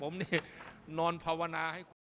ผมนี่นอนภาวนาให้คุณ